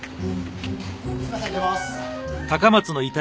すいません出ます。